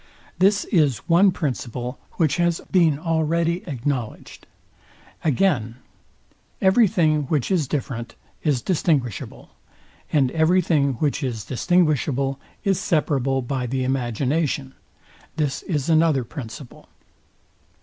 This is one principle, which has been already acknowledged. Again, every thing, which is different, is distinguishable, and every thing which is distinguishable, is separable by the imagination. This is another principle.